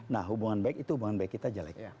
nah hubungan baik itu hubungan baik kita jelek